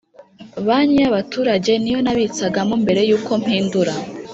Banki y’ abaturage niyo nabitsagamo mbere yuko mpindura